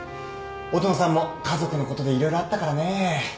音野さんも家族のことで色々あったからねぇ。